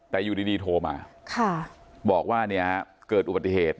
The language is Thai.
แต่อยู่ดีโทรมาบอกว่าเนี่ยเกิดอุบัติเหตุ